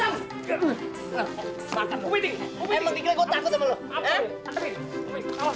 emang dikira gue takut sama lu